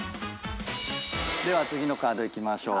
では次のカードいきましょう。